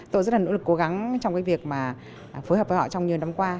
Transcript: tôi rất là nỗ lực cố gắng trong cái việc mà phối hợp với họ trong nhiều năm qua